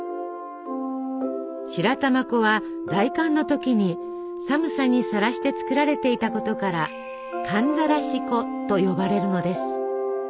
白玉粉は大寒の時に寒さにさらして作られていたことから「寒ざらし粉」と呼ばれるのです。